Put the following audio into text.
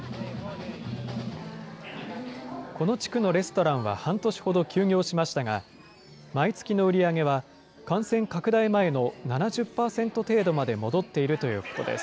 この地区のレストランは半年ほど休業しましたが、毎月の売り上げは、感染拡大前の７０％程度まで戻っているということです。